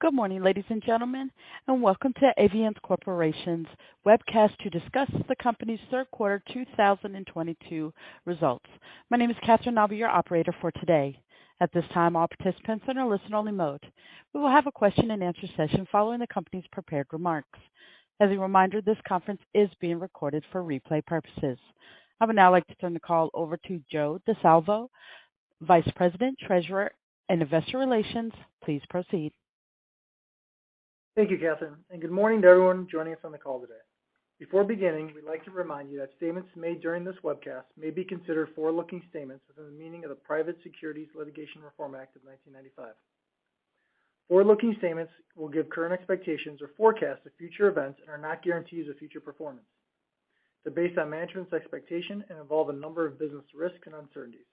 Good morning, ladies and gentlemen, and welcome to Avient Corporation's webcast to discuss the company's third quarter 2022 results. My name is Catherine, and I'll be your operator for today. At this time, all participants are in a listen only mode. We will have a question-and-answer session following the company's prepared remarks. As a reminder, this conference is being recorded for replay purposes. I would now like to turn the call over to Joe Di Salvo, Vice President, Treasurer, and Investor Relations. Please proceed. Thank you, Catherine, and good morning to everyone joining us on the call today. Before beginning, we'd like to remind you that statements made during this webcast may be considered forward-looking statements within the meaning of the Private Securities Litigation Reform Act of 1995. Forward-looking statements will give current expectations or forecasts of future events and are not guarantees of future performance. They're based on management's expectations and involve a number of business risks and uncertainties,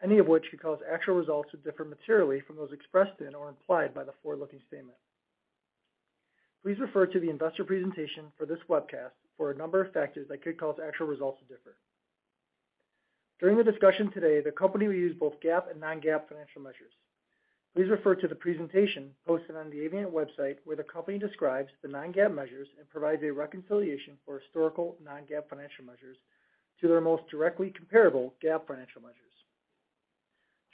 any of which could cause actual results to differ materially from those expressed in or implied by the forward-looking statement. Please refer to the investor presentation for this webcast for a number of factors that could cause actual results to differ. During the discussion today, the company will use both GAAP and non-GAAP financial measures. Please refer to the presentation posted on the Avient website, where the company describes the non-GAAP measures and provides a reconciliation for historical non-GAAP financial measures to their most directly comparable GAAP financial measures.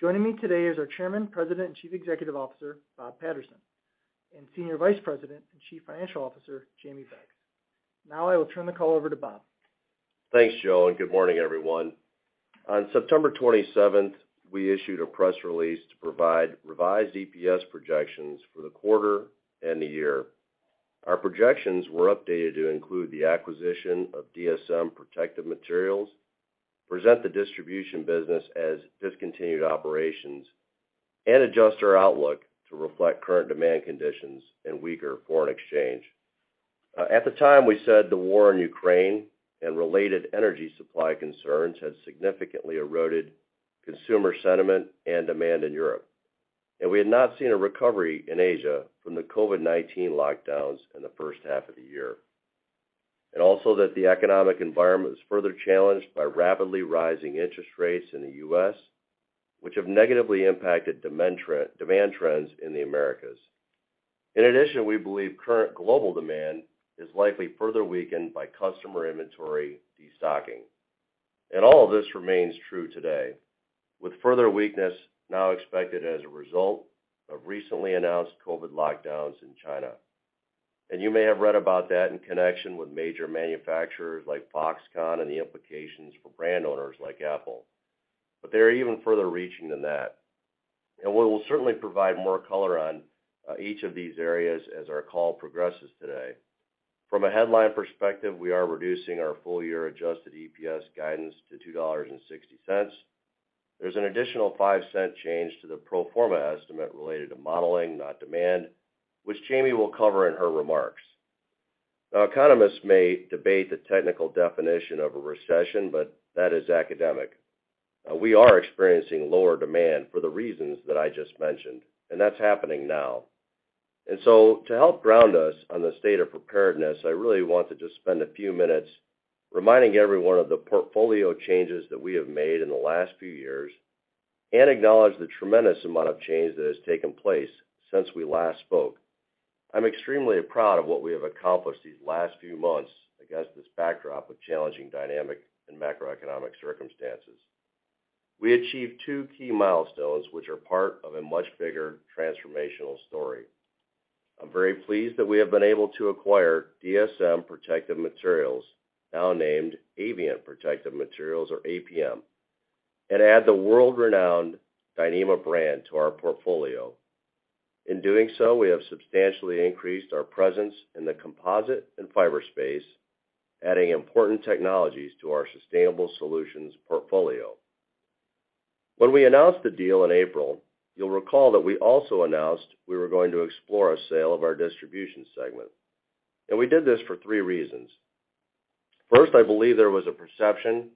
Joining me today is our Chairman, President, and Chief Executive Officer, Bob Patterson, and Senior Vice President and Chief Financial Officer, Jamie Beggs. Now, I will turn the call over to Bob. Thanks, Joe, and good morning, everyone. On September 27th, we issued a press release to provide revised EPS projections for the quarter and the year. Our projections were updated to include the acquisition of DSM Protective Materials, present the distribution business as discontinued operations, and adjust our outlook to reflect current demand conditions and weaker foreign exchange. At the time, we said the war in Ukraine and related energy supply concerns had significantly eroded consumer sentiment and demand in Europe, and we had not seen a recovery in Asia from the COVID-19 lockdowns in the first half of the year, that the economic environment was further challenged by rapidly rising interest rates in the U.S., which have negatively impacted demand trends in the Americas. In addition, we believe current global demand is likely further weakened by customer inventory destocking. All of this remains true today, with further weakness now expected as a result of recently announced COVID lockdowns in China. You may have read about that in connection with major manufacturers like Foxconn and the implications for brand owners like Apple, but they are even further reaching than that, and we will certainly provide more color on each of these areas as our call progresses today. From a headline perspective, we are reducing our full year adjusted EPS guidance to $2.60. There's an additional $0.05 change to the pro forma estimate related to modeling, not demand, which Jamie will cover in her remarks. Now, economists may debate the technical definition of a recession, but that is academic. We are experiencing lower demand for the reasons that I just mentioned, and that's happening now. To help ground us on the state of preparedness, I really want to just spend a few minutes reminding everyone of the portfolio changes that we have made in the last few years and acknowledge the tremendous amount of change that has taken place since we last spoke. I'm extremely proud of what we have accomplished these last few months against this backdrop of challenging dynamic and macroeconomic circumstances. We achieved two key milestones, which are part of a much bigger transformational story. I'm very pleased that we have been able to acquire DSM Protective Materials, now named Avient Protective Materials or APM, and add the world-renowned Dyneema brand to our portfolio. In doing so, we have substantially increased our presence in the composite and fiber space, adding important technologies to our Sustainable Solutions portfolio. When we announced the deal in April, you'll recall that we also announced we were going to explore a sale of our distribution segment. We did this for three reasons. First, I believe there was a perception,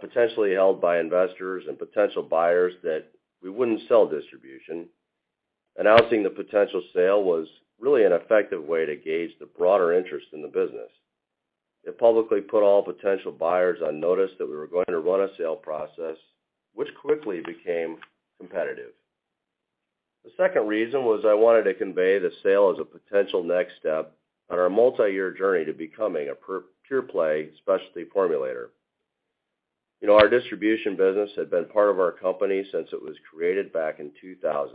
potentially held by investors and potential buyers that we wouldn't sell distribution. Announcing the potential sale was really an effective way to gauge the broader interest in the business. It publicly put all potential buyers on notice that we were going to run a sale process which quickly became competitive. The second reason was I wanted to convey the sale as a potential next step on our multi-year journey to becoming a pure play specialty formulator. You know, our distribution business had been part of our company since it was created back in 2000.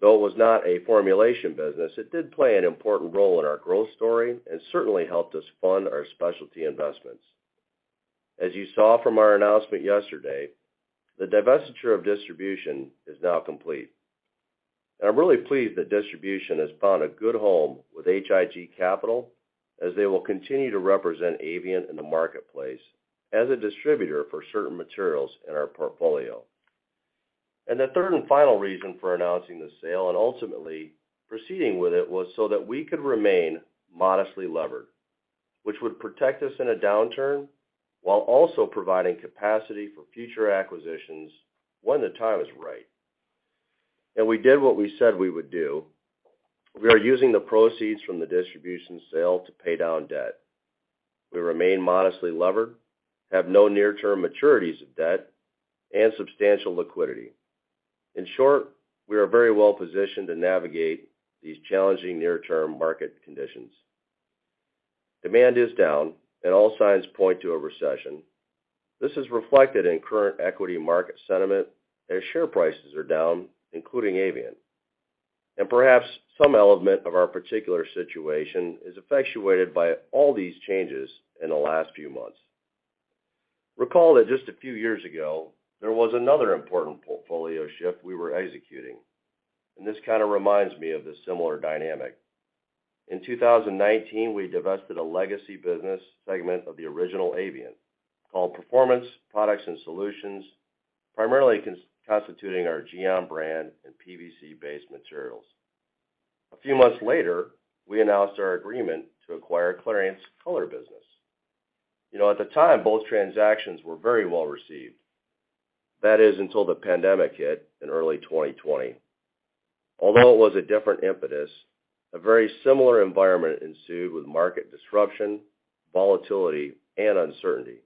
Though it was not a formulation business, it did play an important role in our growth story and certainly helped us fund our specialty investments. As you saw from our announcement yesterday, the divestiture of distribution is now complete. I'm really pleased that distribution has found a good home with H.I.G. Capital as they will continue to represent Avient in the marketplace as a distributor for certain materials in our portfolio. The third and final reason for announcing the sale and ultimately proceeding with it was so that we could remain modestly levered, which would protect us in a downturn while also providing capacity for future acquisitions when the time is right. We did what we said we would do. We are using the proceeds from the distribution sale to pay down debt. We remain modestly levered, have no near-term maturities of debt, and substantial liquidity. In short, we are very well positioned to navigate these challenging near-term market conditions. Demand is down, and all signs point to a recession. This is reflected in current equity market sentiment as share prices are down, including Avient. Perhaps some element of our particular situation is effectuated by all these changes in the last few months. Recall that just a few years ago, there was another important portfolio shift we were executing, and this kind of reminds me of the similar dynamic. In 2019, we divested a legacy business segment of the original Avient called Performance Products and Solutions, primarily constituting our Geon brand and PVC-based materials. A few months later, we announced our agreement to acquire Clariant's Color business. You know, at the time, both transactions were very well received. That is, until the pandemic hit in early 2020. Although it was a different impetus, a very similar environment ensued with market disruption, volatility, and uncertainty.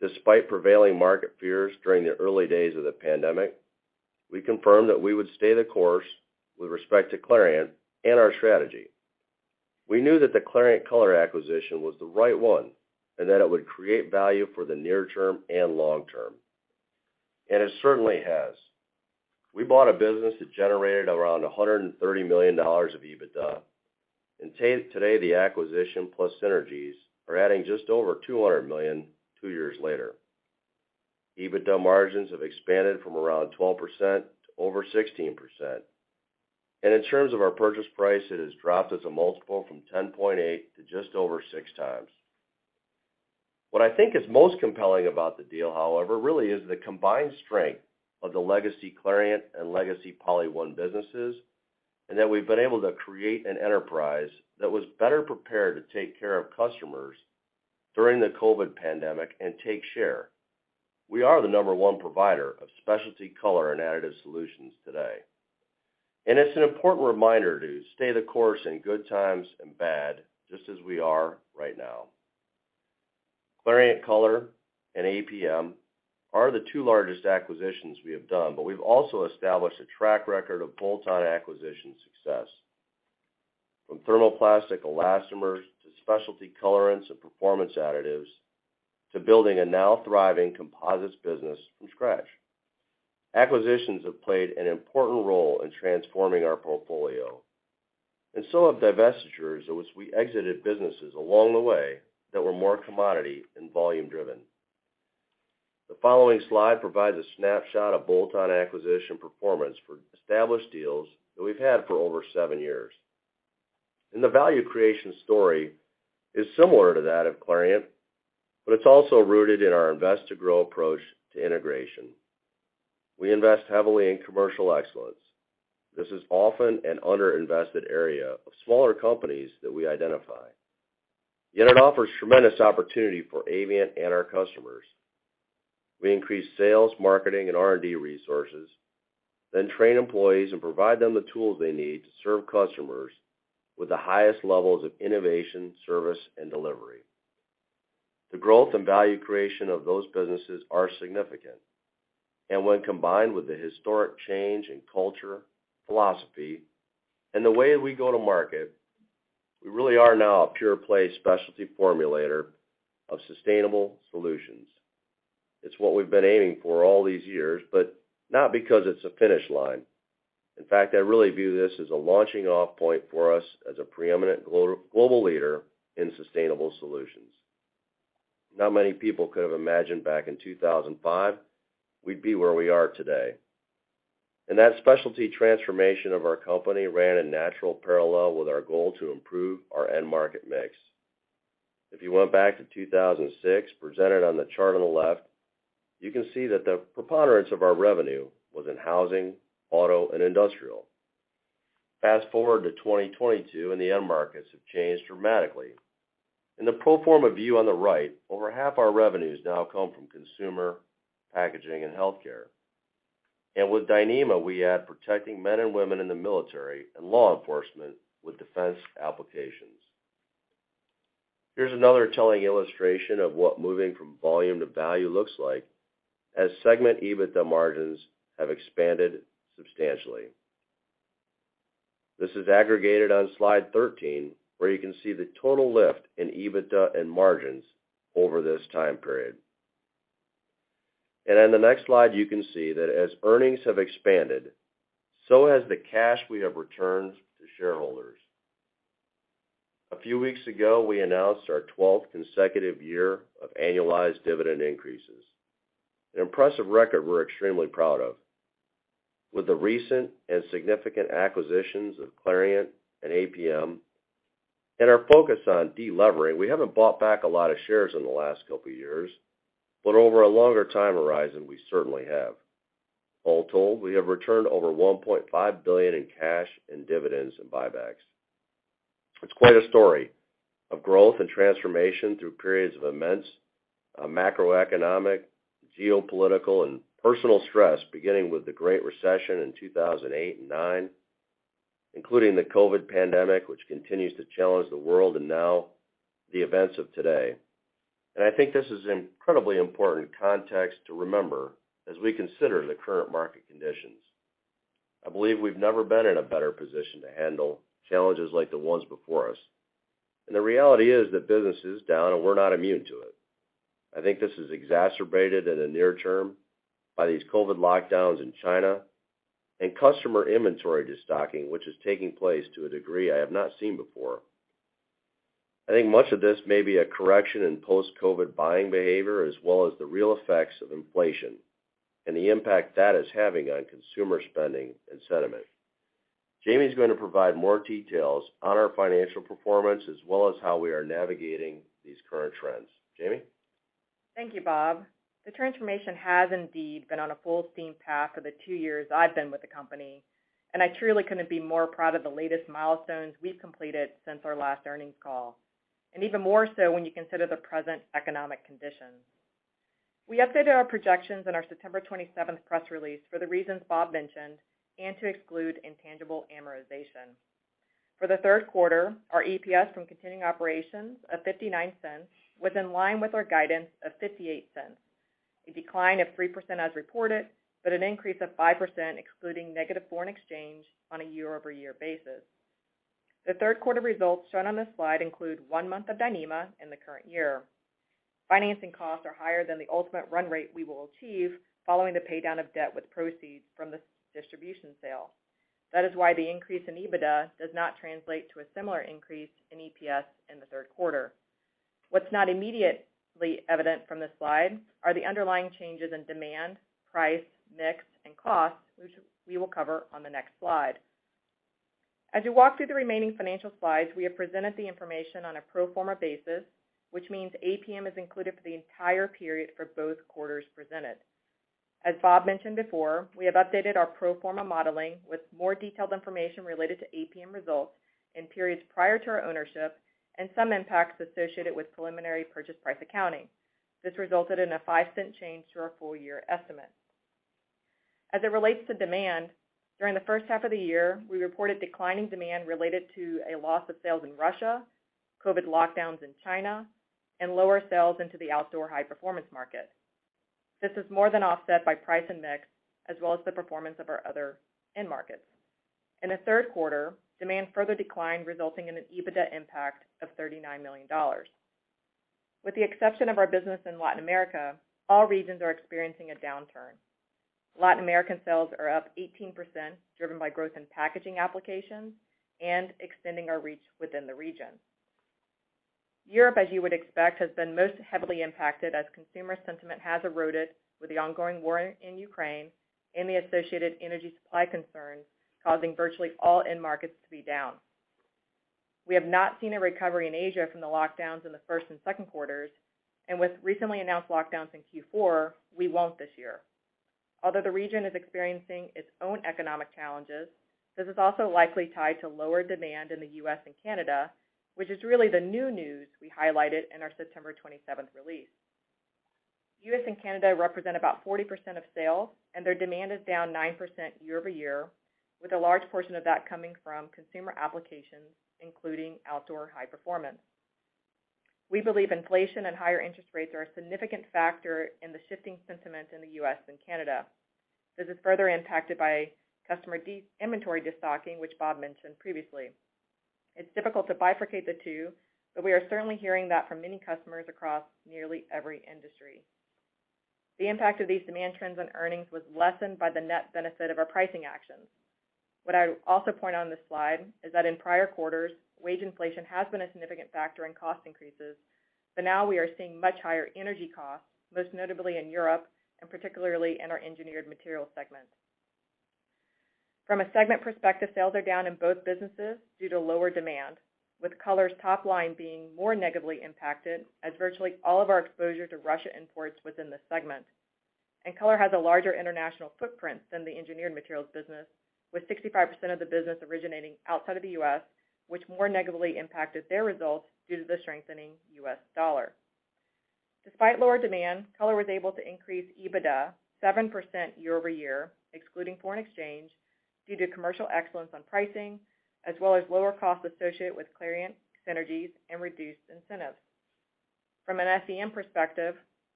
Despite prevailing market fears during the early days of the pandemic, we confirmed that we would stay the course with respect to Clariant and our strategy. We knew that the Clariant Color acquisition was the right one, and that it would create value for the near term and long term, and it certainly has. We bought a business that generated around $130 million of EBITDA, and today, the acquisition plus synergies are adding just over $200 million two years later. EBITDA margins have expanded from around 12% to over 16%. In terms of our purchase price, it has dropped as a multiple from 10.8x to just over 6x. What I think is most compelling about the deal, however, really is the combined strength of the legacy Clariant and legacy PolyOne businesses, and that we've been able to create an enterprise that was better prepared to take care of customers during the COVID pandemic and take share. We are the number-one provider of specialty color and additive solutions today. It's an important reminder to stay the course in good times and bad, just as we are right now. Clariant Color and APM are the two largest acquisitions we have done, but we've also established a track record of bolt-on acquisition success. From thermoplastic elastomers to specialty colorants and performance additives, to building a now thriving composites business from scratch. Acquisitions have played an important role in transforming our portfolio, and so have divestitures in which we exited businesses along the way that were more commodity and volume-driven. The following slide provides a snapshot of bolt-on acquisition performance for established deals that we've had for over seven years. The value creation story is similar to that of Clariant, but it's also rooted in our Invest to Grow approach to integration. We invest heavily in commercial excellence. This is often an underinvested area of smaller companies that we identify, yet it offers tremendous opportunity for Avient and our customers. We increase sales, marketing, and R&D resources, then train employees and provide them the tools they need to serve customers with the highest levels of innovation, service, and delivery. The growth and value creation of those businesses are significant. When combined with the historic change in culture, philosophy, and the way we go to market, we really are now a pure-play specialty formulator of Sustainable Solutions. It's what we've been aiming for all these years, but not because it's a finish line. In fact, I really view this as a launching off point for us as a preeminent global leader in Sustainable Solutions. Not many people could have imagined back in 2005 we'd be where we are today. That specialty transformation of our company ran in natural parallel with our goal to improve our end market mix. If you went back to 2006, presented on the chart on the left, you can see that the preponderance of our revenue was in Housing, Auto, and Industrial. Fast-forward to 2022, and the end markets have changed dramatically. In the pro forma view on the right, over half our revenues now come from Consumer, Packaging, and Healthcare. With Dyneema, we add protecting men and women in the military and law enforcement with defense applications. Here's another telling illustration of what moving from volume to value looks like as segment EBITDA margins have expanded substantially. This is aggregated on slide 13, where you can see the total lift in EBITDA and margins over this time period. On the next slide, you can see that as earnings have expanded, so has the cash we have returned to shareholders. A few weeks ago, we announced our 12th consecutive year of annualized dividend increases, an impressive record we're extremely proud of. With the recent and significant acquisitions of Clariant and APM, and our focus on delevering, we haven't bought back a lot of shares in the last couple years, but over a longer time horizon, we certainly have. All told, we have returned over $1.5 billion in cash in dividends and buybacks. It's quite a story of growth and transformation through periods of immense macroeconomic, geopolitical, and personal stress, beginning with the Great Recession in 2008 and 2009. Including the COVID pandemic, which continues to challenge the world, and now the events of today. I think this is incredibly important context to remember as we consider the current market conditions. I believe we've never been in a better position to handle challenges like the ones before us. The reality is that business is down, and we're not immune to it. I think this is exacerbated in the near term by these COVID lockdowns in China and customer inventory destocking, which is taking place to a degree I have not seen before. I think much of this may be a correction in post-COVID buying behavior, as well as the real effects of inflation and the impact that is having on consumer spending and sentiment. Jamie is going to provide more details on our financial performance as well as how we are navigating these current trends. Jamie? Thank you, Bob. The transformation has indeed been on a full steam path for the two years I've been with the company, and I truly couldn't be more proud of the latest milestones we've completed since our last earnings call, and even more so when you consider the present economic conditions. We updated our projections in our September 27th press release for the reasons Bob mentioned and to exclude intangible amortization. For the third quarter, our EPS from continuing operations of $0.59 was in line with our guidance of $0.58, a decline of 3% as reported, but an increase of 5% excluding negative foreign exchange on a year-over-year basis. The third quarter results shown on this slide include one month of Dyneema in the current year. Financing costs are higher than the ultimate run rate we will achieve following the paydown of debt with proceeds from this distribution sale. That is why the increase in EBITDA does not translate to a similar increase in EPS in the third quarter. What's not immediately evident from this slide are the underlying changes in demand, price, mix, and cost, which we will cover on the next slide. As you walk through the remaining financial slides, we have presented the information on a pro forma basis, which means APM is included for the entire period for both quarters presented. As Bob mentioned before, we have updated our pro forma modeling with more detailed information related to APM results in periods prior to our ownership and some impacts associated with preliminary purchase price accounting. This resulted in a $0.05 change to our full year estimate. As it relates to demand, during the first half of the year, we reported declining demand related to a loss of sales in Russia, COVID lockdowns in China, and lower sales into the outdoor high performance market. This is more than offset by price and mix, as well as the performance of our other end markets. In the third quarter, demand further declined, resulting in an EBITDA impact of $39 million. With the exception of our business in Latin America, all regions are experiencing a downturn. Latin American sales are up 18%, driven by growth in packaging applications and extending our reach within the region. Europe, as you would expect, has been most heavily impacted as consumer sentiment has eroded with the ongoing war in Ukraine and the associated energy supply concerns causing virtually all end markets to be down. We have not seen a recovery in Asia from the lockdowns in the first and second quarters, and with recently announced lockdowns in Q4, we won't this year. Although the region is experiencing its own economic challenges, this is also likely tied to lower demand in the U.S. and Canada, which is really the new news we highlighted in our September 27th release. U.S. and Canada represent about 40% of sales, and their demand is down 9% year-over-year, with a large portion of that coming from consumer applications, including outdoor high performance. We believe inflation and higher interest rates are a significant factor in the shifting sentiment in the U.S. and Canada. This is further impacted by customer inventory destocking, which Bob mentioned previously. It's difficult to bifurcate the two, but we are certainly hearing that from many customers across nearly every industry. The impact of these demand trends on earnings was lessened by the net benefit of our pricing actions. What I would also point out on this slide is that in prior quarters, wage inflation has been a significant factor in cost increases, but now we are seeing much higher energy costs, most notably in Europe and particularly in our Engineered Materials segment. From a segment perspective, sales are down in both businesses due to lower demand, with Color's top line being more negatively impacted as virtually all of our exposure to Russian imports within the segment. Color has a larger international footprint than the Engineered Materials business, with 65% of the business originating outside of the U.S., which more negatively impacted their results due to the strengthening U.S. dollar. Despite lower demand, Color was able to increase EBITDA 7% year-over-year, excluding foreign exchange, due to commercial excellence on pricing, as well as lower costs associated with Clariant synergies and reduced incentives. From an SEM perspective,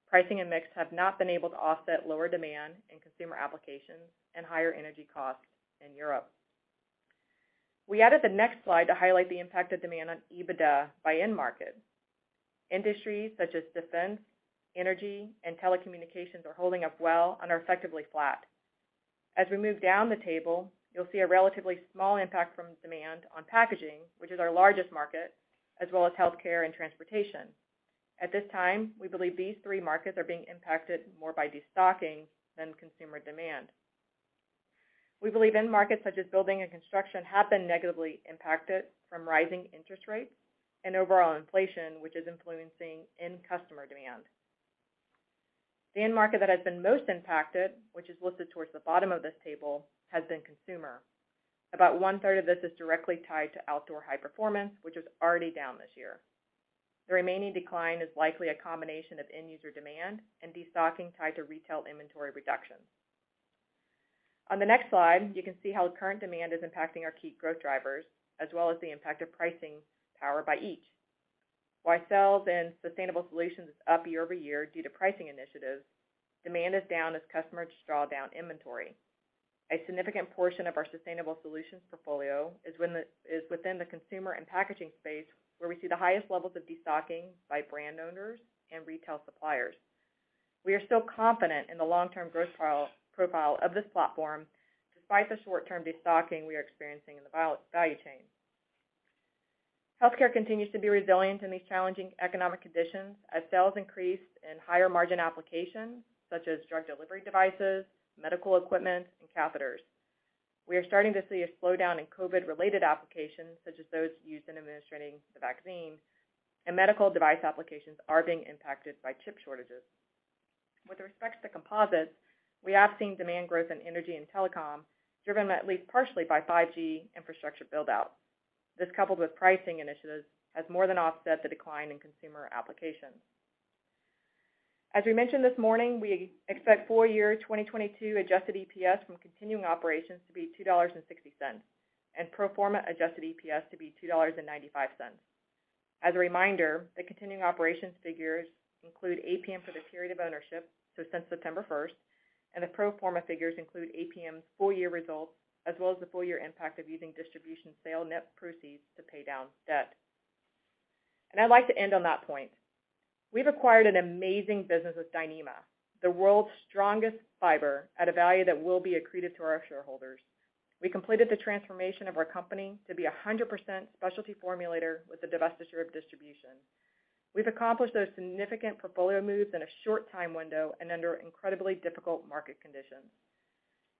pricing and mix have not been able to offset lower demand in consumer applications and higher energy costs in Europe. We added the next slide to highlight the impact of demand on EBITDA by end market. Industries such as Defense, Energy, and Telecommunications are holding up well and are effectively flat. As we move down the table, you'll see a relatively small impact from demand on Packaging, which is our largest market, as well as Healthcare and Transportation. At this time, we believe these three markets are being impacted more by destocking than consumer demand. We believe end markets such as building and construction have been negatively impacted from rising interest rates and overall inflation, which is influencing end customer demand. The end market that has been most impacted, which is listed towards the bottom of this table, has been consumer. About 1/3 of this is directly tied to outdoor high performance, which is already down this year. The remaining decline is likely a combination of end user demand and destocking tied to retail inventory reductions. On the next slide, you can see how current demand is impacting our key growth drivers as well as the impact of pricing power by each. While sales and Sustainable Solutions is up year-over-year due to pricing initiatives, demand is down as customers draw down inventory. A significant portion of Sustainable Solutions portfolio is within the consumer and packaging space, where we see the highest levels of destocking by brand owners and retail suppliers. We are still confident in the long-term growth profile of this platform despite the short-term destocking we are experiencing in the value chain. Healthcare continues to be resilient in these challenging economic conditions as sales increased in higher margin applications such as drug delivery devices, medical equipment, and catheters. We are starting to see a slowdown in COVID-related applications such as those used in administering the vaccine, and medical device applications are being impacted by chip shortages. With respect to composites, we have seen demand growth in Energy and Telecom, driven at least partially by 5G infrastructure build-out. This coupled with pricing initiatives has more than offset the decline in consumer applications. As we mentioned this morning, we expect full year 2022 adjusted EPS from continuing operations to be $2.60, and pro forma adjusted EPS to be $2.95. As a reminder, the continuing operations figures include APM for the period of ownership, so since September 1st, and the pro forma figures include APM's full year results as well as the full year impact of using distribution sale net proceeds to pay down debt. I'd like to end on that point. We've acquired an amazing business with Dyneema, the world's strongest fiber, at a value that will be accretive to our shareholders. We completed the transformation of our company to be 100% specialty formulator with the divestiture of distribution. We've accomplished those significant portfolio moves in a short time window and under incredibly difficult market conditions.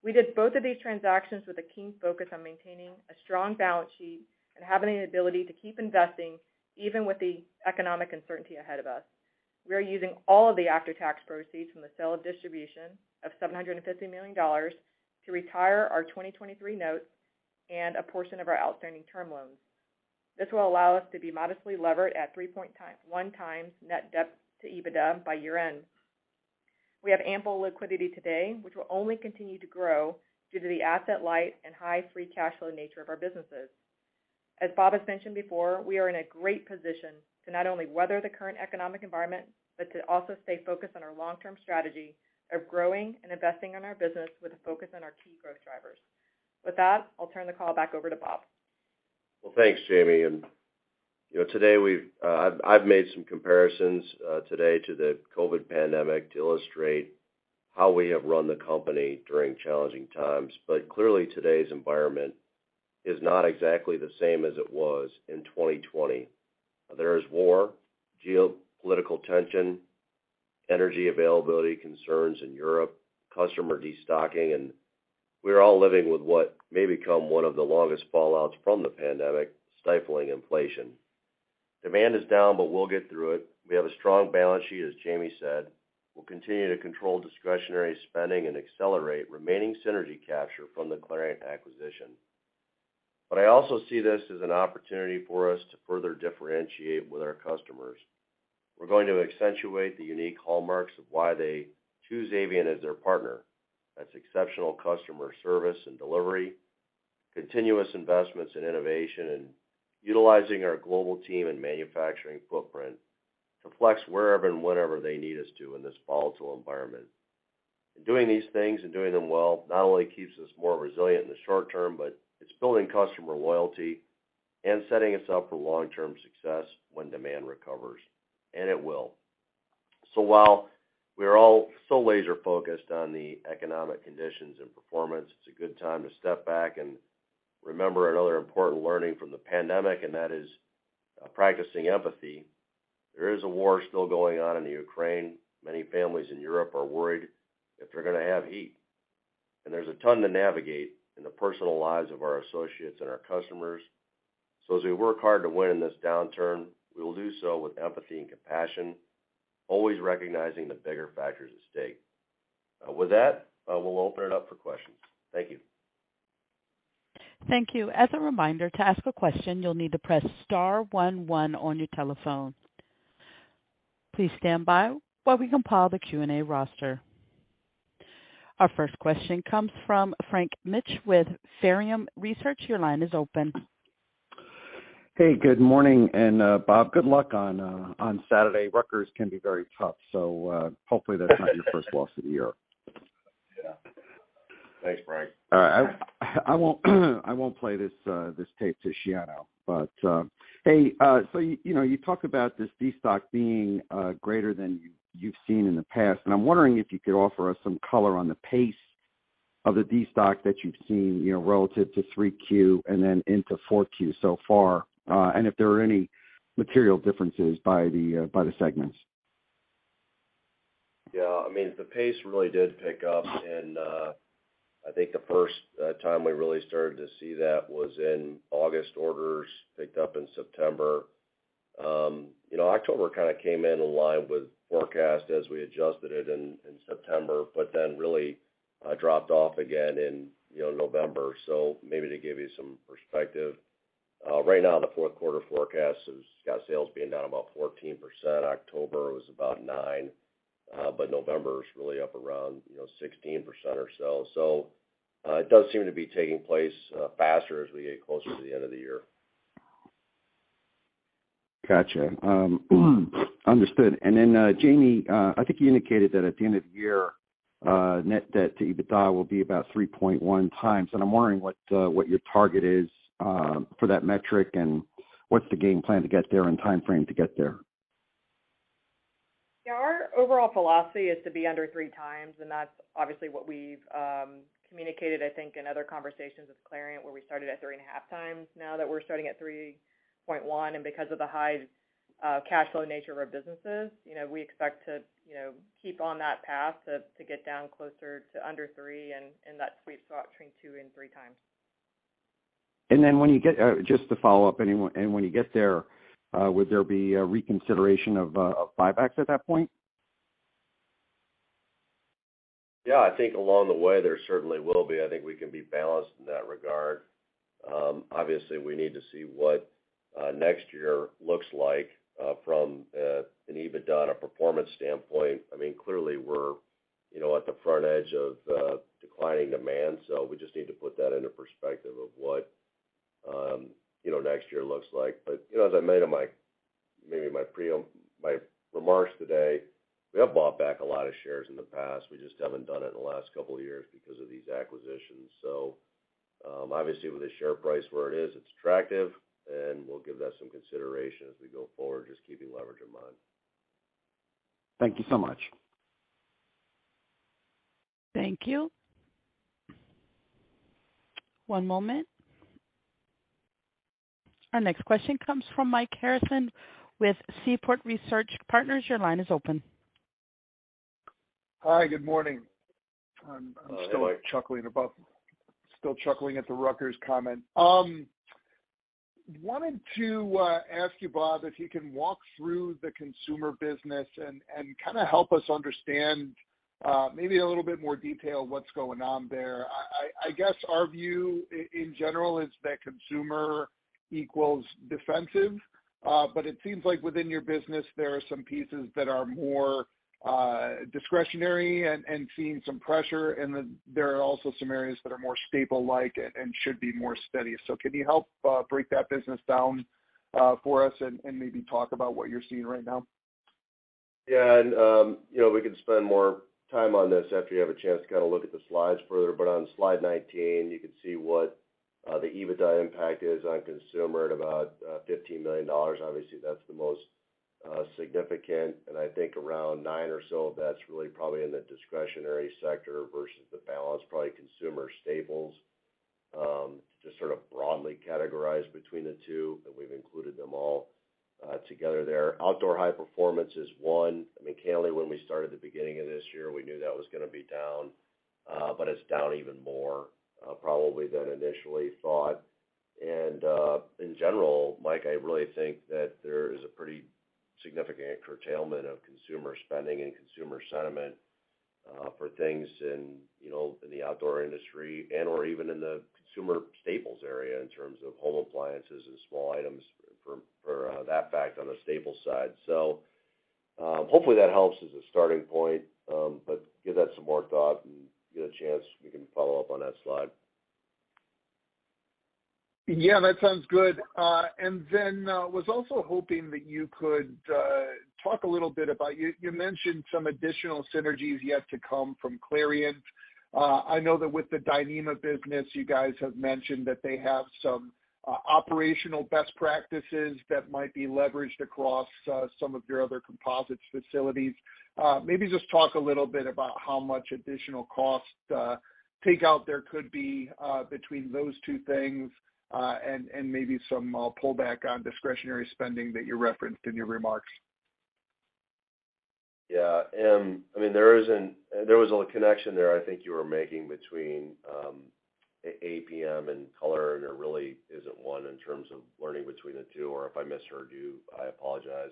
We did both of these transactions with a keen focus on maintaining a strong balance sheet and having the ability to keep investing even with the economic uncertainty ahead of us. We are using all of the after-tax proceeds from the sale of distribution of $750 million to retire our 2023 notes and a portion of our outstanding term loans. This will allow us to be modestly levered at 3.1x net debt to EBITDA by year-end. We have ample liquidity today, which will only continue to grow due to the asset light and high free cash flow nature of our businesses. As Bob has mentioned before, we are in a great position to not only weather the current economic environment, but to also stay focused on our long-term strategy of growing and investing in our business with a focus on our key growth drivers. With that, I'll turn the call back over to Bob. Well, thanks, Jamie. You know, I've made some comparisons today to the COVID pandemic to illustrate how we have run the company during challenging times. Clearly, today's environment is not exactly the same as it was in 2020. There is war, geopolitical tension, energy availability concerns in Europe, customer destocking, and we are all living with what may become one of the longest fallouts from the pandemic, stifling inflation. Demand is down, but we'll get through it. We have a strong balance sheet, as Jamie said. We'll continue to control discretionary spending and accelerate remaining synergy capture from the Clariant acquisition. I also see this as an opportunity for us to further differentiate with our customers. We're going to accentuate the unique hallmarks of why they choose Avient as their partner. That's exceptional customer service and delivery, continuous investments in innovation, and utilizing our global team and manufacturing footprint to flex wherever and whenever they need us to in this volatile environment. Doing these things and doing them well not only keeps us more resilient in the short term, but it's building customer loyalty and setting us up for long-term success when demand recovers, and it will. While we are all so laser focused on the economic conditions and performance, it's a good time to step back and remember another important learning from the pandemic, and that is, practicing empathy. There is a war still going on in the Ukraine. Many families in Europe are worried if they're gonna have heat. There's a ton to navigate in the personal lives of our associates and our customers. As we work hard to win in this downturn, we will do so with empathy and compassion, always recognizing the bigger factors at stake. With that, we'll open it up for questions. Thank you. Thank you. As a reminder, to ask a question, you'll need to press star one one on your telephone. Please stand by while we compile the Q&A roster. Our first question comes from Frank Mitsch with Fermium Research. Your line is open. Hey, good morning. Bob, good luck on Saturday. Rutgers can be very tough, so hopefully that's not your first loss of the year. Yeah. Thanks, Frank. All right. I won't play this tape to Schiano. Hey, so you know, you talk about this destock being greater than you've seen in the past. I'm wondering if you could offer us some color on the pace of the destock that you've seen, you know, relative to 3Q and then into 4Q so far, and if there are any material differences by the segments. I mean, the pace really did pick up, and I think the first time we really started to see that was in August. Orders picked up in September. You know, October kinda came in line with forecast as we adjusted it in September. But then really dropped off again in, you know, November. So maybe to give you some perspective, right now the fourth quarter forecast has got sales being down about 14%. October was about 9%, but November is really up around, you know, 16% or so. So it does seem to be taking place faster as we get closer to the end of the year. Got you. Understood. Jamie, I think you indicated that at the end of the year, net debt to EBITDA will be about 3.1x. I'm wondering what your target is for that metric and what's the game plan to get there and timeframe to get there? Yeah, our overall philosophy is to be under 3x, and that's obviously what we've communicated, I think, in other conversations with Clariant, where we started at 3.5x. Now that we're starting at 3.1x, and because of the high cash flow nature of our businesses, you know, we expect to keep on that path to get down closer to under 3x and in that sweet spot between 2x and 3x. Just to follow up, when you get there, would there be a reconsideration of buybacks at that point? Yeah, I think along the way, there certainly will be. I think we can be balanced in that regard. Obviously, we need to see what next year looks like from an EBITDA and a performance standpoint. I mean, clearly we're, you know, at the front edge of declining demand, so we just need to put that into perspective of what, you know, next year looks like. You know, as I made in my, maybe my remarks today, we have bought back a lot of shares in the past. We just haven't done it in the last couple of years because of these acquisitions. Obviously, with the share price where it is, it's attractive, and we'll give that some consideration as we go forward, just keeping leverage in mind. Thank you so much. Thank you. One moment. Our next question comes from Mike Harrison with Seaport Research Partners. Your line is open. Hi, good morning. Hi, Mike. I'm still chuckling at the Rutgers comment. Wanted to ask you, Bob, if you can walk through the Consumer business and kind of help us understand maybe in a little bit more detail what's going on there. I guess our view in general is that consumer equals defensive. It seems like within your business, there are some pieces that are more discretionary and seeing some pressure, and then there are also some areas that are more staple-like and should be more steady. Can you help break that business down for us and maybe talk about what you're seeing right now? Yeah. You know, we can spend more time on this after you have a chance to kind of look at the slides further. On slide 19, you can see what the EBITDA impact is on consumer at about $15 million. Obviously, that's the most significant, and I think around 9% or so of that's really probably in the discretionary sector versus the balance, probably consumer staples, to just sort of broadly categorize between the two, but we've included them all together there. Outdoor high performance is 1%. I mean, clearly, when we started the beginning of this year, we knew that was gonna be down, but it's down even more, probably than initially thought. In general, Mike, I really think that there is a pretty significant curtailment of consumer spending and consumer sentiment for things in, you know, in the outdoor industry and or even in the consumer staples area in terms of home appliances and small items for that fact on the staples side. Hopefully that helps as a starting point, but give that some more thought and get a chance, we can follow up on that slide. Yeah, that sounds good. I was also hoping that you could talk a little bit about. You mentioned some additional synergies yet to come from Clariant. I know that with the Dyneema business, you guys have mentioned that they have some operational best practices that might be leveraged across some of your other composites facilities. Maybe just talk a little bit about how much additional cost take out there could be between those two things, and maybe some pullback on discretionary spending that you referenced in your remarks. Yeah. I mean, there was a connection there I think you were making between APM and Color, and there really isn't one in terms of learning between the two, or if I misheard you, I apologize.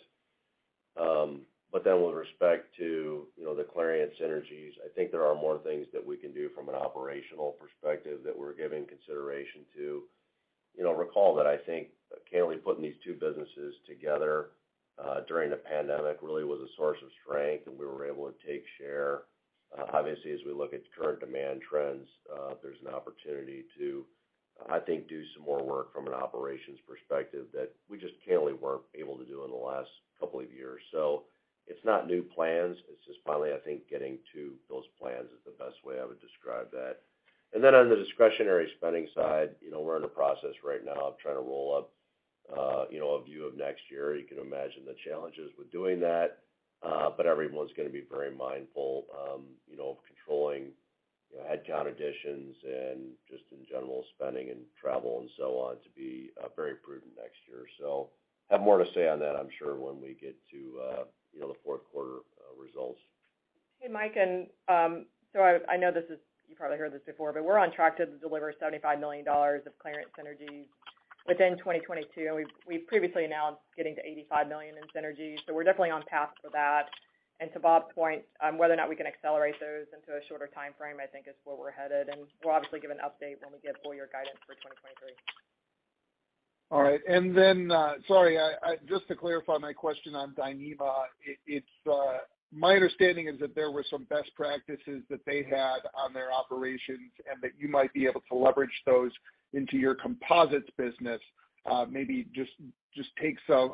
But then with respect to, you know, the Clariant synergies, I think there are more things that we can do from an operational perspective that we're giving consideration to. You know, recall that I think clearly putting these two businesses together during the pandemic really was a source of strength, and we were able to take share. Obviously, as we look at current demand trends, there's an opportunity to, I think, do some more work from an operations perspective that we just clearly weren't able to do in the last couple of years. It's not new plans. It's just finally, I think, getting to those plans is the best way I would describe that. Then on the discretionary spending side, you know, we're in the process right now of trying to roll up, you know, a view of next year. You can imagine the challenges with doing that, but everyone's gonna be very mindful, you know, of controlling, you know, headcount additions and just in general spending and travel and so on to be very prudent next year. Have more to say on that, I'm sure, when we get to, you know, the fourth quarter results. Hey, Mike. I know you probably heard this before, but we're on track to deliver $75 million of Clariant synergies within 2022, and we've previously announced getting to $85 million in synergies, so we're definitely on path for that. To Bob's point, whether or not we can accelerate those into a shorter timeframe, I think is where we're headed. We'll obviously give an update when we give full year guidance for 2023. All right. Sorry. Just to clarify my question on Dyneema. My understanding is that there were some best practices that they had on their operations and that you might be able to leverage those into your composites business.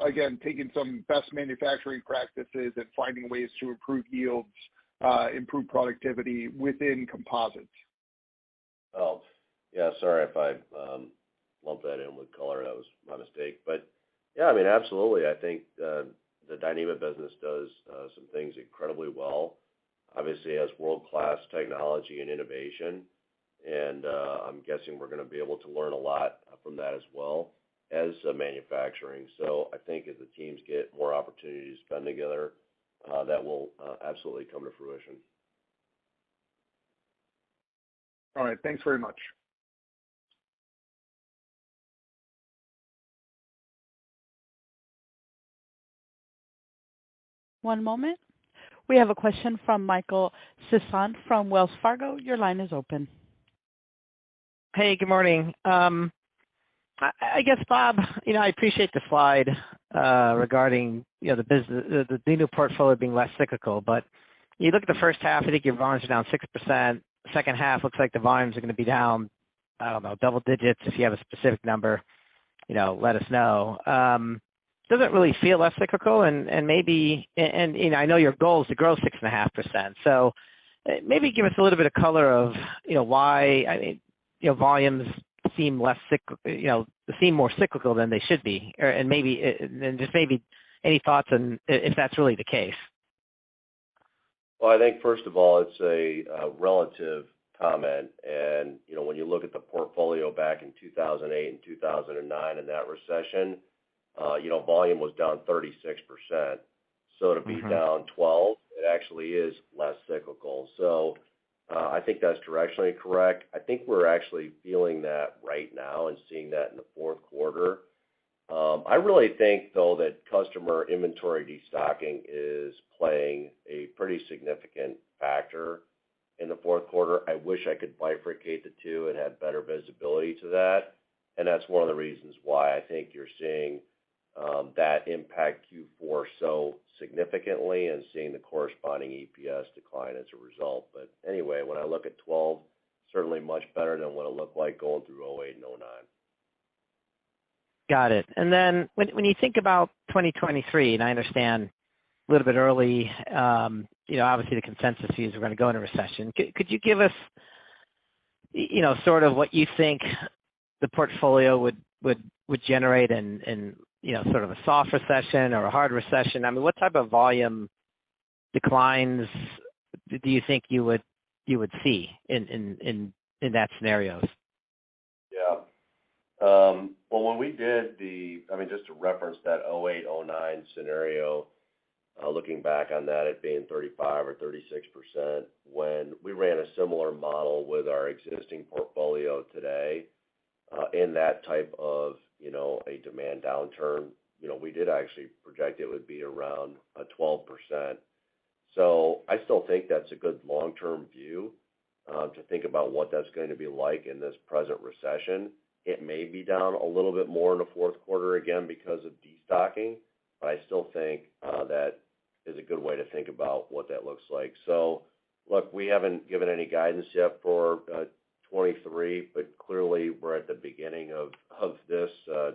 Again, taking some best manufacturing practices and finding ways to improve yields, improve productivity within composites. Oh, yeah, sorry if I lumped that in with Color. That was my mistake. Yeah, I mean, absolutely. I think the Dyneema business does some things incredibly well. Obviously has world-class technology and innovation, and I'm guessing we're gonna be able to learn a lot from that as well as manufacturing. I think as the teams get more opportunities to come together, that will absolutely come to fruition. All right. Thanks very much. One moment. We have a question from Michael Sison from Wells Fargo. Your line is open. Hey, good morning. I guess, Bob, you know, I appreciate the slide regarding, you know, the new portfolio being less cyclical. You look at the first half, I think your volumes are down 6%. Second half looks like the volumes are gonna be down, I don't know, double digits. If you have a specific number, you know, let us know. Doesn't really feel less cyclical and, you know, I know your goal is to grow 6.5%, so maybe give us a little bit of color on, you know, why, I mean, you know, volumes seem more cyclical than they should be. Maybe any thoughts on if that's really the case. Well, I think first of all, it's a relative comment and, you know, when you look at the portfolio back in 2008 and 2009 in that recession, you know, volume was down 36%. Mm-hmm. To be down 12%, it actually is less cyclical. I think that's directionally correct. I think we're actually feeling that right now and seeing that in the fourth quarter. I really think though that customer inventory destocking is playing a pretty significant factor in the fourth quarter. I wish I could bifurcate the two and have better visibility to that, and that's one of the reasons why I think you're seeing that impact Q4 so significantly and seeing the corresponding EPS decline as a result. Anyway, when I look at 12%, certainly much better than what it looked like going through 2008 and 2009. Got it. When you think about 2023, and I understand a little bit early, you know, obviously the consensus view is we're gonna go into recession. Could you give us, you know, sort of what you think the portfolio would generate in, you know, sort of a soft recession or a hard recession? I mean, what type of volume declines do you think you would see in those scenarios? Yeah. Well, when we did, I mean, just to reference that 2008, 2009 scenario, looking back on that at being 35% or 36%. When we ran a similar model with our existing portfolio today, in that type of, you know, a demand downturn, you know, we did actually project it would be around 12%. I still think that's a good long-term view, to think about what that's going to be like in this present recession. It may be down a little bit more in the fourth quarter, again, because of destocking, but I still think that is a good way to think about what that looks like. Look, we haven't given any guidance yet for 2023, but clearly we're at the beginning of this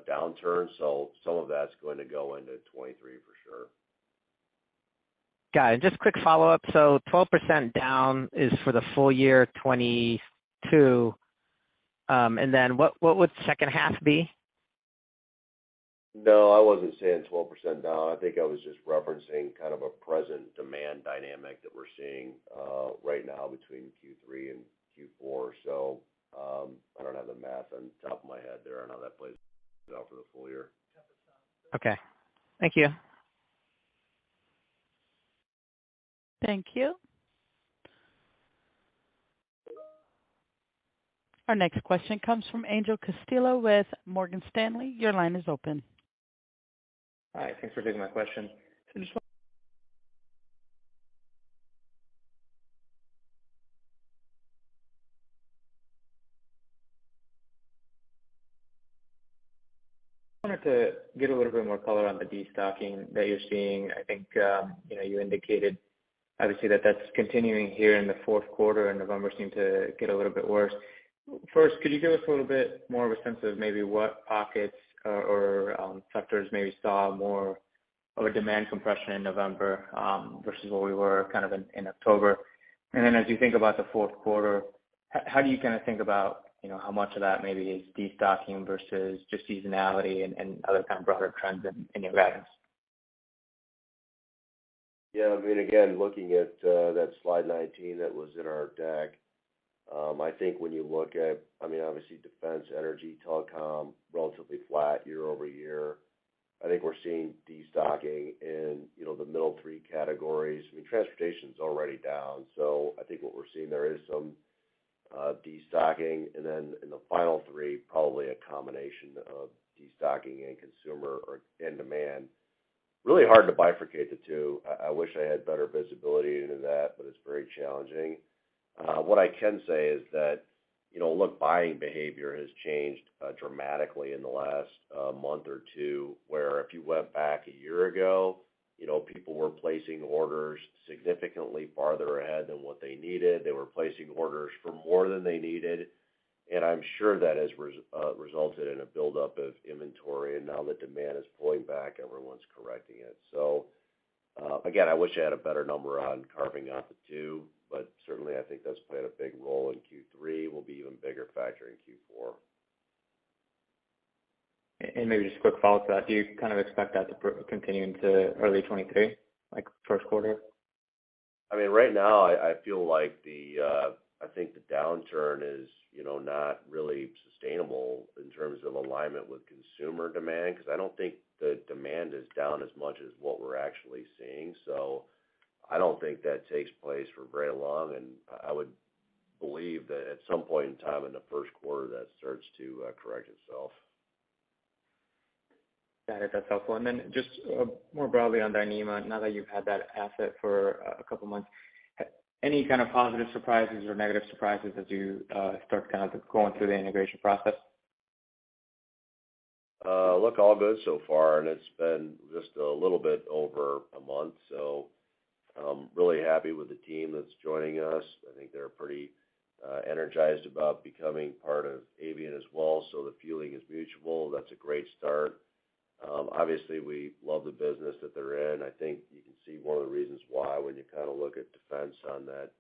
downturn, so some of that's going to go into 2023 for sure. Got it. Just quick follow-up. 12% down is for the full year 2022. What would second half be? No, I wasn't saying 12% down. I think I was just referencing kind of a present demand dynamic that we're seeing right now between Q3 and Q4. I don't have the math on the top of my head there on how that plays out for the full year. Okay. Thank you. Thank you. Our next question comes from Angel Castillo with Morgan Stanley. Your line is open. Hi. Thanks for taking my question. Wanted to get a little bit more color on the destocking that you're seeing. I think, you know, you indicated obviously that that's continuing here in the fourth quarter and November seemed to get a little bit worse. First, could you give us a little bit more of a sense of maybe what pockets or sectors maybe saw more of a demand compression in November versus where we were kind of in October? Then as you think about the fourth quarter, how do you kinda think about, you know, how much of that maybe is destocking versus just seasonality and other kind of broader trends in your guidance? Yeah. I mean, again, looking at that slide 19 that was in our deck, I think when you look at, I mean, obviously Defense, Energy, Telecom, relatively flat year-over-year. I think we're seeing destocking in, you know, the middle three categories. I mean, Transportation's already down, so I think what we're seeing there is some destocking. Then in the final three, probably a combination of destocking and consumer or end demand. Really hard to bifurcate the two. I wish I had better visibility into that, but it's very challenging. What I can say is that, you know, look, buying behavior has changed dramatically in the last month or two, where if you went back a year ago, you know, people were placing orders significantly farther ahead than what they needed. They were placing orders for more than they needed. I'm sure that has resulted in a buildup of inventory. Now that demand is pulling back, everyone's correcting it. Again, I wish I had a better number on carving out the two, but certainly I think that's played a big role in Q3, will be even bigger factor in Q4. Maybe just a quick follow-up to that. Do you kind of expect that to continue into early 2023, like first quarter? I mean, right now I feel like the downturn is, you know, not really sustainable in terms of alignment with consumer demand 'cause I don't think the demand is down as much as what we're actually seeing. I don't think that takes place for very long, and I would believe that at some point in time in the first quarter, that starts to correct itself. Got it. That's helpful. Just, more broadly on Dyneema, now that you've had that asset for a couple months, any kind of positive surprises or negative surprises as you start kind of going through the integration process? Looks all good so far, and it's been just a little bit over a month. I'm really happy with the team that's joining us. I think they're pretty energized about becoming part of Avient as well, so the feeling is mutual. That's a great start. Obviously we love the business that they're in. I think you can see one of the reasons why when you kind of look at defense on that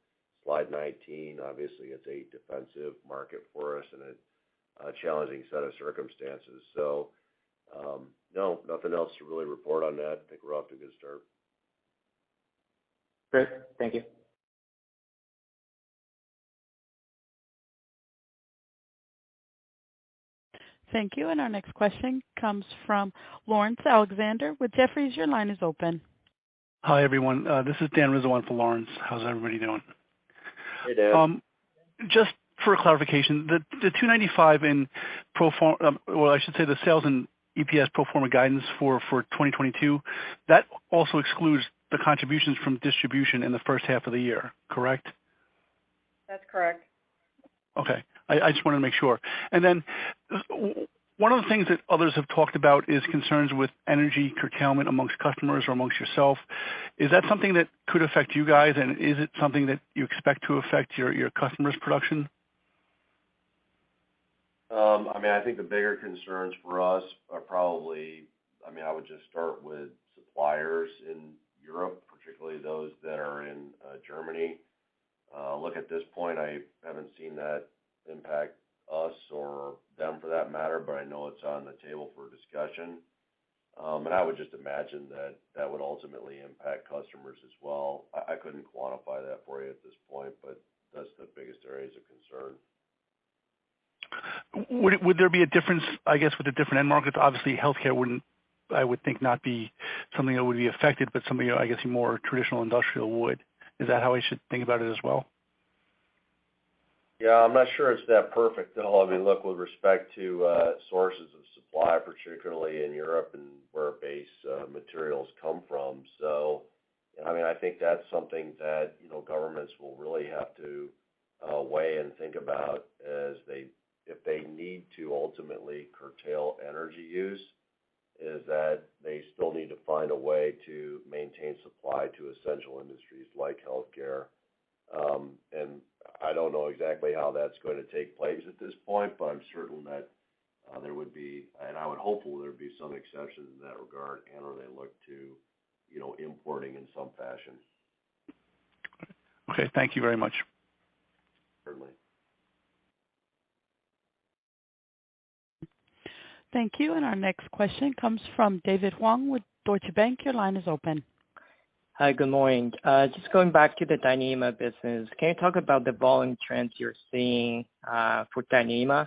slide 19. Obviously it's a defensive market for us and a challenging set of circumstances. No, nothing else to really report on that. I think we're off to a good start. Great. Thank you. Thank you. Our next question comes from Laurence Alexander with Jefferies. Your line is open. Hi, everyone. This is Dan Rizzo in for Laurence. How's everybody doing? Hey, Dan. Just for clarification, the $2.95, well, I should say the sales and EPS pro forma guidance for 2022, that also excludes the contributions from distribution in the first half of the year, correct? That's correct. Okay. I just wanted to make sure. One of the things that others have talked about is concerns with energy curtailment among customers or among yourself. Is that something that could affect you guys, and is it something that you expect to affect your customers' production? I mean, I think the bigger concerns for us are probably, I mean, I would just start with suppliers in Europe, particularly those that are in, Germany. Look, at this point, I haven't seen that impact us or them for that matter, but I know it's on the table for discussion. I would just imagine that that would ultimately impact customers as well. I couldn't quantify that for you at this point, but that's the biggest areas of concern. Would there be a difference, I guess, with the different end markets? Obviously, Healthcare wouldn't, I would think not be something that would be affected, but something, I guess, more traditional Industrial would. Is that how I should think about it as well? Yeah, I'm not sure it's that perfect at all. I mean, look, with respect to sources of supply, particularly in Europe and where base materials come from. I mean, I think that's something that, you know, governments will really have to weigh and think about if they need to ultimately curtail energy use, is that they still need to find a way to maintain supply to essential industries like Healthcare. And I don't know exactly how that's gonna take place at this point, but I'm certain that there would be, and I would hope there would be some exceptions in that regard and/or they look to, you know, importing in some fashion. Okay. Thank you very much. Certainly. Thank you. Our next question comes from David Huang with Deutsche Bank. Your line is open. Hi, good morning. Just going back to the Dyneema business. Can you talk about the volume trends you're seeing for Dyneema?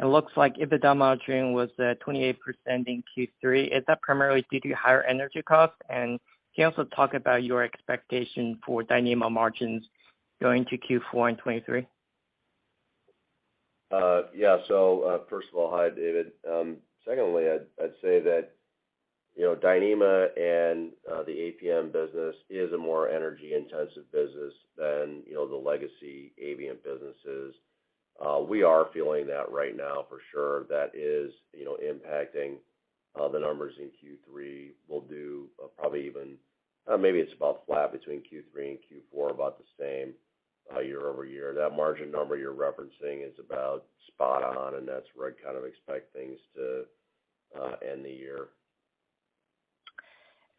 It looks like EBITDA margin was at 28% in Q3. Is that primarily due to higher energy costs? Can you also talk about your expectation for Dyneema margins going to Q4 in 2023? Yeah. First of all, hi, David. Secondly, I'd say that, you know, Dyneema and the APM business is a more energy-intensive business than, you know, the legacy Avient businesses. We are feeling that right now for sure. That is, you know, impacting the numbers in Q3. Maybe it's about flat between Q3 and Q4, about the same, year-over-year. That margin number you're referencing is about spot on, and that's where I kind of expect things to end the year.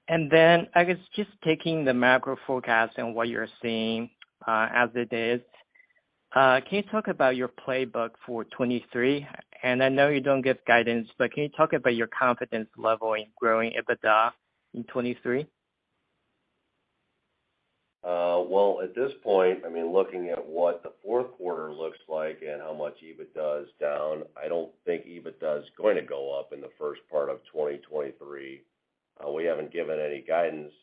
I guess just taking the macro forecast and what you're seeing, as it is, can you talk about your playbook for 2023? I know you don't give guidance, but can you talk about your confidence level in growing EBITDA in 2023? Well, at this point, I mean, looking at what the fourth quarter looks like and how much EBITDA is down, I don't think EBITDA is going to go up in the first part of 2023. We haven't given any guidance,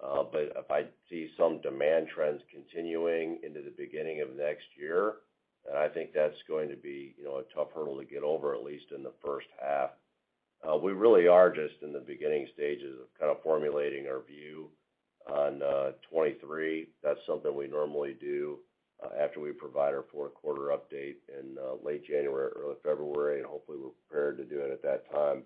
but if I see some demand trends continuing into the beginning of next year, and I think that's going to be, you know, a tough hurdle to get over, at least in the first half. We really are just in the beginning stages of kind of formulating our view on 2023. That's something we normally do after we provide our fourth quarter update in late January or early February, and hopefully we're prepared to do it at that time.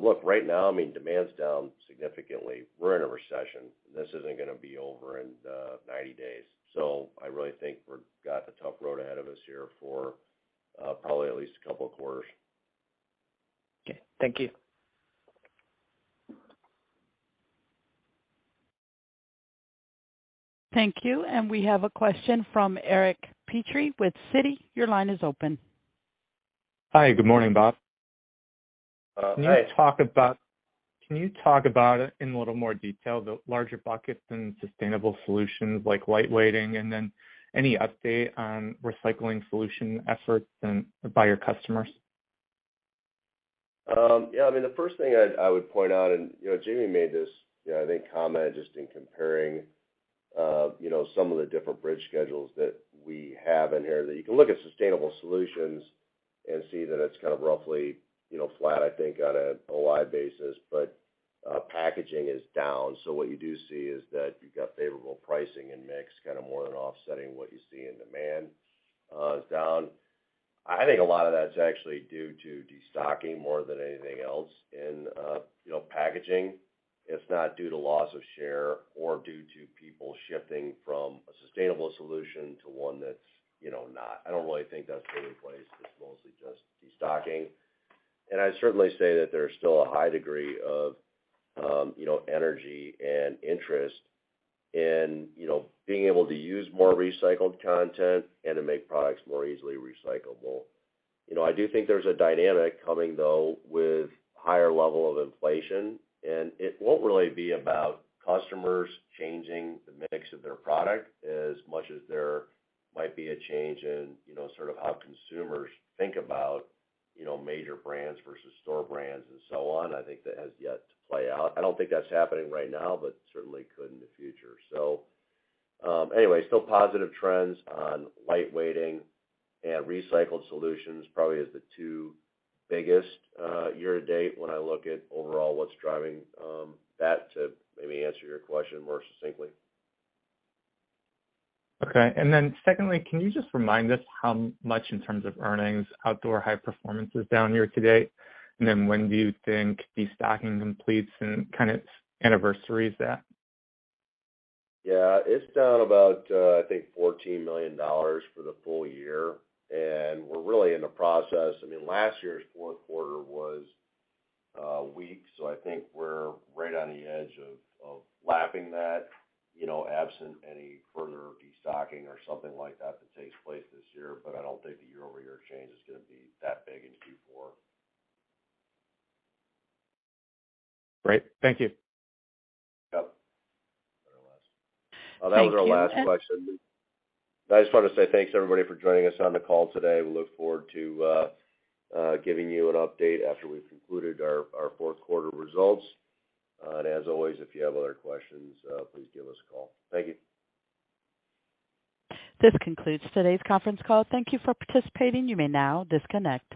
Look, right now, I mean, demand's down significantly. We're in a recession. This isn't gonna be over in 90 days. I really think we've got a tough road ahead of us here for probably at least a couple of quarters. Okay. Thank you. Thank you. We have a question from Eric Petrie with Citi. Your line is open. Hi. Good morning, Bob. Hi. Can you talk about it in a little more detail, the larger buckets and Sustainable Solutions like lightweighting, and then any update on recycling solution efforts and by your customers? I mean, the first thing I would point out, and you know, Jamie made this, you know, I think, comment just in comparing, you know, some of the different bridge schedules that we have in here, that you can look at Sustainable Solutions and see that it's kind of roughly, you know, flat, I think, on an OI basis. Packaging is down. What you do see is that you've got favorable pricing and mix kind of more than offsetting what you see in demand is down. I think a lot of that's actually due to destocking more than anything else in, you know, packaging. It's not due to loss of share or due to people shifting from a sustainable solution to one that's, you know, not. I don't really think that's taking place. It's mostly just destocking. I'd certainly say that there's still a high degree of, you know, energy and interest in, you know, being able to use more recycled content and to make products more easily recyclable. You know, I do think there's a dynamic coming, though, with higher level of inflation. It won't really be about customers changing the mix of their product as much as there might be a change in, you know, sort of how consumers think about, you know, major brands versus store brands and so on. I think that has yet to play out. I don't think that's happening right now, but certainly could in the future. Anyway, still positive trends on lightweighting and recycled solutions probably is the two biggest, year to date when I look at overall what's driving, that, to maybe answer your question more succinctly. Okay. Secondly, can you just remind us how much in terms of earnings Outdoor High Performance is down year-to-date? When do you think destocking completes and kind of anniversaries that? It's down about, I think $14 million for the full year. We're really in the process, I mean, last year's fourth quarter was weak, so I think we're right on the edge of lapping that, you know, absent any further destocking or something like that that takes place this year. I don't think the year-over-year change is gonna be that big in Q4. Great. Thank you. Yeah. More or less. Thank you. Oh, that was our last question. I just wanted to say thanks, everybody, for joining us on the call today. We look forward to giving you an update after we've concluded our fourth quarter results. As always, if you have other questions, please give us a call. Thank you. This concludes today's conference call. Thank you for participating. You may now disconnect.